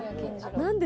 何で？